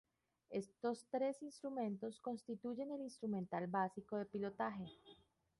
Estos tres instrumentos constituyen el instrumental básico de pilotaje.